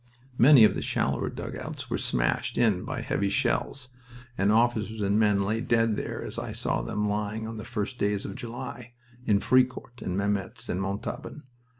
Many of the shallower dugouts were smashed in by heavy shells, and officers and men lay dead there as I saw them lying on the first days of July, in Fricourt and Mametz and Montauban.